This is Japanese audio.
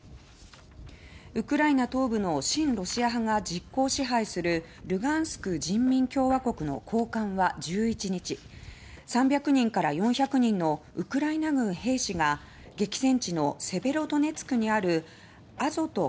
ウクライナ東部の親ロシア派が実効支配する「ルガンスク人民共和国」の高官は１１日３００人から４００人のウクライナ軍兵士が激戦地のセベロドネツクにあるアゾト